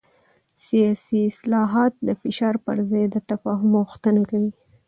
سیاسي اصلاحات د فشار پر ځای د تفاهم غوښتنه کوي